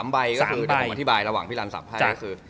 ๓ใบก็คือถ้าผมมาอธิบายระหว่างพี่รันสับไพ่ก็คือ